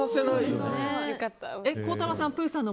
孝太郎さん